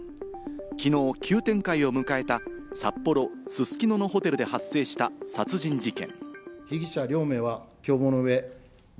きのう急展開を迎えた札幌・すすきののホテルで発生した殺人事件。